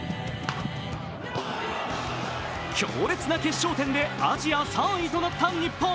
強烈な決勝点でアジア３位となった日本。